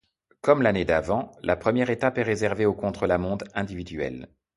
Comme l'année d'avant, la première étape est réservée au contre-la-montre individuel.